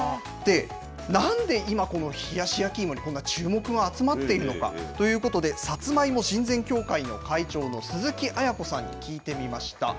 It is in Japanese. なんで今、この冷やし焼き芋にこんな注目が集まっているのかということで、さつまいも親善協会の会長の鈴木絢子さんに聞いてみました。